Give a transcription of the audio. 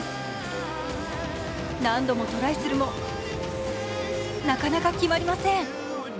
何度もトライするもなかなか決まりません。